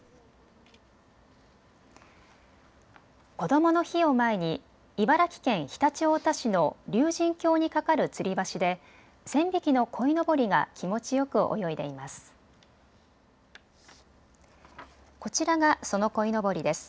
こどもの日を前に茨城県常陸太田市の竜神峡に架かるつり橋で１０００匹のこいのぼりが気持ちよく泳いでいます。